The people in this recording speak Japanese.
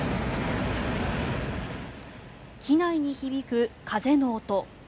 機内に響く風の音。